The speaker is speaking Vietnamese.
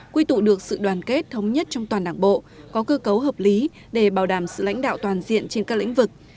quy tụ được sự đoàn kết thống nhất trong toàn đảng bộ có cơ cấu hợp lý để bảo đảm sự lãnh đạo toàn diện trên các lĩnh vực